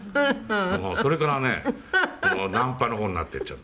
それからね軟派の方になっていっちゃってね。